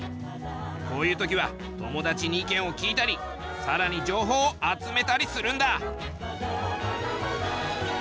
こういう時は友達に意見を聞いたりさらに情報を集めたりするんだ。